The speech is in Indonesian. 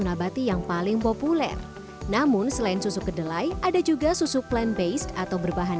nabati yang paling populer namun selain susu kedelai ada juga susu plan base atau berbahan